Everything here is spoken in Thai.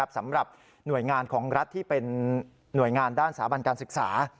สำหรับหน่วยงานของรัฐที่เป็นหน่วยงานด้านสาบันการศึกษา